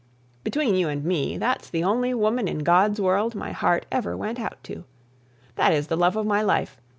Between you and me, that's the only woman in God's world my heart ever went out to. That is the love of my life.